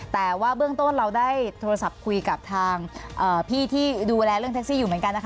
แต่ว่าเบื้องต้นเราได้โทรศัพท์คุยกับทางพี่ที่ดูแลเรื่องแท็กซี่อยู่เหมือนกันนะคะ